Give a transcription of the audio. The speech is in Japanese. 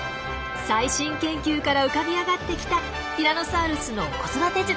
最新研究から浮かび上がってきたティラノサウルスの子育て術。